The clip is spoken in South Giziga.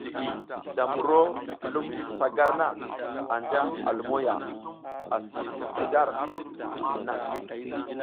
Da mburo lum ta gar na anja a lumo ya, asi mbur gar ti jiŋ naŋ.